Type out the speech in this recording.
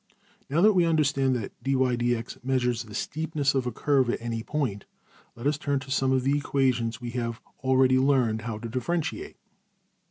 \Figure{095a} Now that we understand that $\dfrac{dy}{dx}$~measures the steepness of a curve at any point, let us turn to some of the equations which we have already learned how to differentiate.